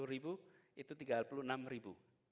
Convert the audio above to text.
itu tiga puluh enam ribu airway yang tergenang di jakarta